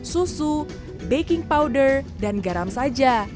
susu baking powder dan garam saja